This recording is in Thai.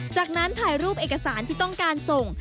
จากนั้นถ่ายรูปเอกสารที่ต้องการส่ง